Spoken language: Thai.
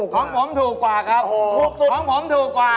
ของผมถูกกว่าครับถูกสุดของผมถูกกว่า